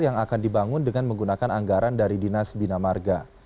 yang akan dibangun dengan menggunakan anggaran dari dinas binamarga